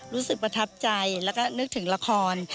รู้สึกประทับใจแล้วก็นึกถึงละคร